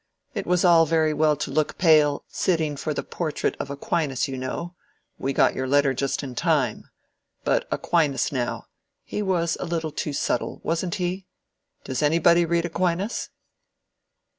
It was all very well to look pale, sitting for the portrait of Aquinas, you know—we got your letter just in time. But Aquinas, now—he was a little too subtle, wasn't he? Does anybody read Aquinas?"